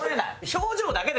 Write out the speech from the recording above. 表情だけでしょ？